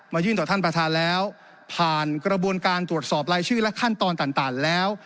ยื่นต่อท่านประธานแล้วผ่านกระบวนการตรวจสอบรายชื่อและขั้นตอนต่างแล้ว